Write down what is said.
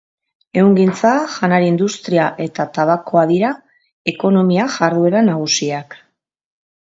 Ehungintza, janari industria eta tabakoa dira ekonomia jarduera nagusiak.